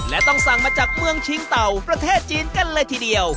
และต้องสั่งมาจากเมืองชิงเต่าประเทศจีนกันเลยทีเดียว